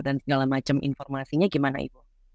segala macam informasinya gimana ibu